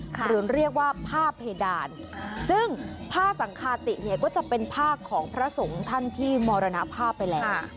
หรือเรียกว่าผ้าเพดานซึ่งผ้าสังคาติเนี่ยก็จะเป็นผ้าของพระสงฆ์ท่านที่มรณภาพไปแล้ว